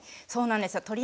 そうなんですよ。